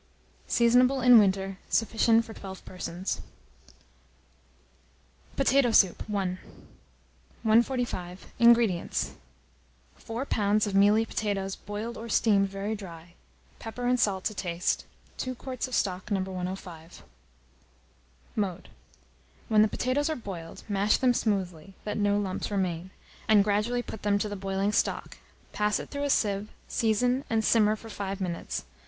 Seasonable in winter. Sufficient for 12 persons. POTATO SOUP. I. 145. INGREDIENTS. 4 lbs. of mealy potatoes, boiled or steamed very dry, pepper and salt to taste, 2 quarts of stock No. 105. Mode. When the potatoes are boiled, mash them smoothly, that no lumps remain, and gradually put them to the boiling stock; pass it through a sieve, season, and simmer for 5 minutes.